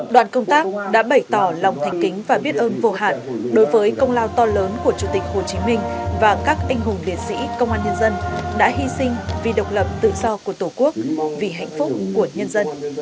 đoàn công tác đã bày tỏ lòng thành kính và biết ơn vô hạn đối với công lao to lớn của chủ tịch hồ chí minh và các anh hùng liệt sĩ công an nhân dân đã hy sinh vì độc lập tự do của tổ quốc vì hạnh phúc của nhân dân